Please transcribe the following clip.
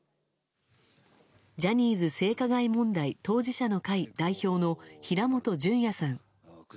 ジャニーズ性加害問題当事者の会代表の平本淳也さん。